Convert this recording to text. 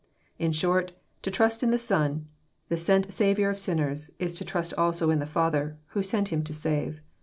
In short, to trust in the Son, the sent Saviour of sinners, is to trust also in the Father, who sent Him to save.